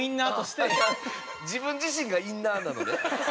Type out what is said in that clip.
自分自身がインナーなのね。